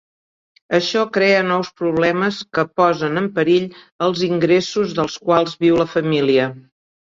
Això crea nous problemes que posen en perill els ingressos dels quals viu la família.